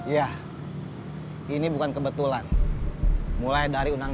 jadi kau sepoanda dong